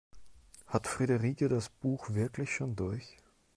Hat Friederike das Buch wirklich schon durch?